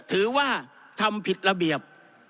ถือว่าทำผิดระเบียบ